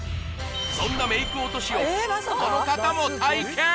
そんなメイク落としをこの方も体験